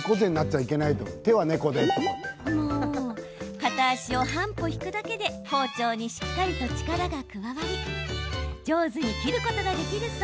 片足を半歩引くだけで包丁にしっかりと力が伝わり上手に切ることができるそう。